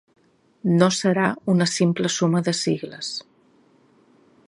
No serà una simple suma de sigles.